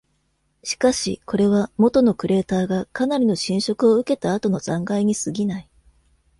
しかし、これは元のクレーターがかなりの浸食を受けた後の残骸に過ぎない。